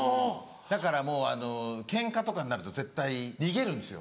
だからもうケンカとかになると絶対逃げるんですよ。